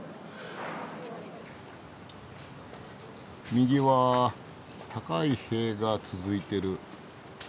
右は高い塀が続いてる。